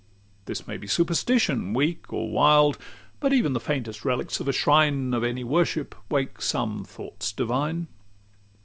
This may be superstition, weak or wild, But even the faintest relics of a shrine Of any worship wake some thoughts divine.